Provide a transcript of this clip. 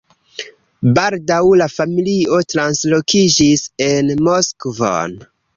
Baldaŭ la familio translokiĝis en Moskvon.